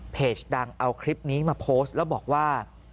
ดังเอาคลิปนี้มาโพสต์แล้วบอกว่า